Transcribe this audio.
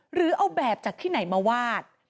หรือเอาแบบจากที่ไหนมาวาด